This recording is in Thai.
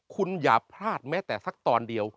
คุณอย่าพลาดแม้แต่สักตอนเดียว